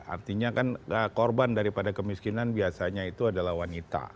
artinya kan korban daripada kemiskinan biasanya itu adalah wanita